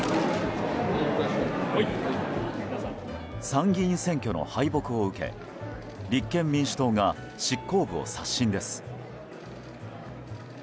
参議院選挙の敗北を受け立憲民主党が執行部を刷新です。